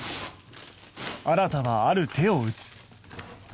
新はある手を打つ